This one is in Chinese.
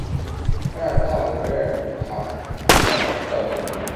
巴尔纳维尔卡尔特雷。